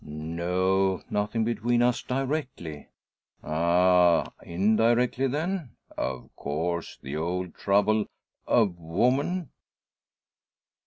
"No; nothing between us, directly." "Ah! Indirectly, then? Of course the old trouble a woman."